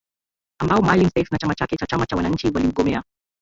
Ambao Maalim Seif na chama chake cha Chama cha Wananchi waliugomea